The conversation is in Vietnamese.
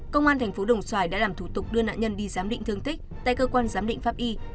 công an thành phố đồng xoài đã làm thủ tục đưa nạn nhân đi giám định thương tích tại cơ quan giám định pháp y